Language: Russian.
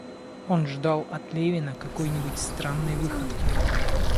Он ждал от Левина какой-нибудь странной выходки.